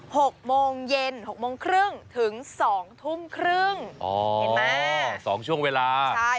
หกโมงเย็นหกโมงครึ่งถึงสองทุ่มครึ่งอ๋อเห็นไหมสองช่วงเวลาใช่